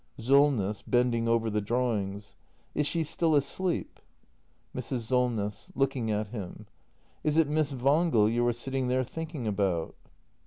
Solness. [Bending over the drawings.] Is she still asleep ? Mrs. Solness. [Looking at him.] Is it Miss Wangel you are sitting there thinking about?